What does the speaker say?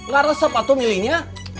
gak resep waktu milihnya